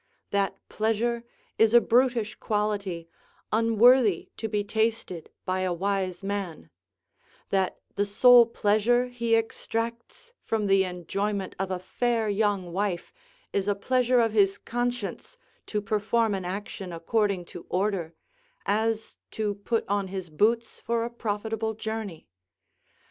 That pleasure is a brutish quality, unworthy to be tasted by a wise man; that the sole pleasure he extracts from the enjoyment of a fair young wife is a pleasure of his conscience to perform an action according to order, as to put on his boots for a profitable journey.